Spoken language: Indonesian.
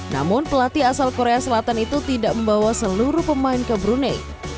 namun pelatih asal korea selatan itu tidak membawa seluruh pemain ke brunei